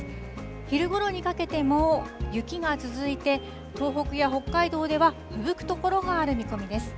昼ごろにかけても雪が続いて、東北や北海道では、ふぶく所もある見込みです。